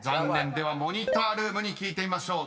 ではモニタールームに聞いてみましょう］